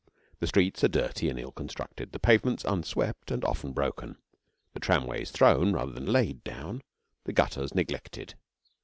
The streets are dirty and ill constructed, the pavements unswept and often broken, the tramways thrown, rather than laid, down, the gutters neglected.